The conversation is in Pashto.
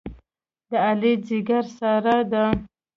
د علي ځېګر ساره ده.